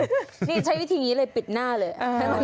นี่ใช้วิธีนี้เลยปิดหน้าเลย